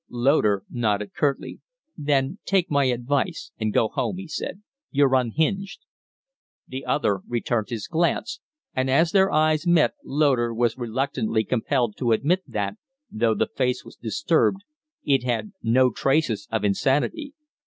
Loder nodded curtly. "Then take my advice and go home," he said. "You're unhinged." The other returned his glance, and as their eyes met Loder was reluctantly compelled to admit that, though the face was disturbed, it had no traces of insanity.